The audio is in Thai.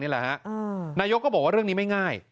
นายกก็บอกว่าเรื่องนี้ไม่ง่าย